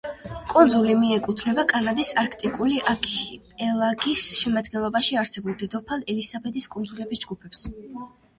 კუნძული მეკუთვნება კანადის არქტიკული არქიპელაგის შემადგენლობაში არსებულ დედოფალ ელისაბედის კუნძულების ჯგუფს.